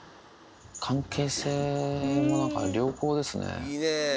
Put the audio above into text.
関係性もなんか良好ですね。